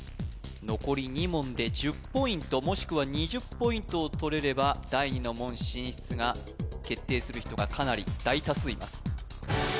残り２問で１０ポイントもしくは２０ポイントをとれれば第二の門進出が決定する人がかなり大多数います